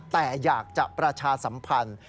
แต่อยากจะประชาสัมพันธ์